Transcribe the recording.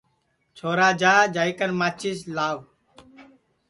چھورا جا جائی کن ماچِس لاو